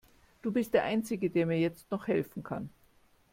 Du bist der einzige, der mir jetzt noch helfen kann.